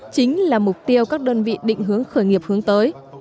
chính là mục tiêu các đơn vị định hướng khởi nghiệp hướng tới